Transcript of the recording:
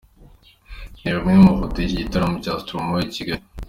Reba amwe mu mafoto y'iki gitaramo cya Stromae i Kigali.